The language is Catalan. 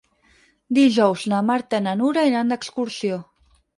Dijous na Marta i na Nura iran d'excursió.